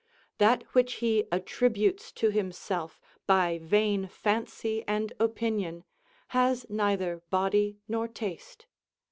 That which he attributes to himself, by vain fancy and opinion, has neither body nor taste.